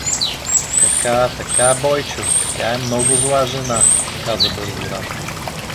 — Така, така, Бойчо, тя е много зла жена — каза бързо Радка.